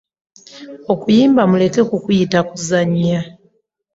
Okuyimba muleke kukuyita kuzannya.